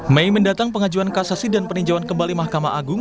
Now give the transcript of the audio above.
mei mendatang pengajuan kasasi dan peninjauan kembali mahkamah agung